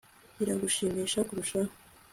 Biragushimisha kurushaho